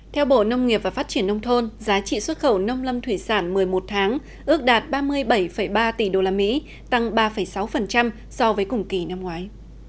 theo bộ nông nghiệp và phát triển nông thôn giá trị xuất khẩu nông lâm thủy sản một mươi một tháng ước đạt ba mươi bảy ba tỷ usd tăng ba sáu so với cùng kỳ năm ngoái